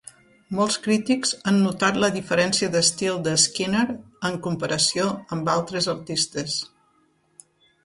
Molts crítics han notat la diferència d'estil de Skinner en comparació amb altres artistes.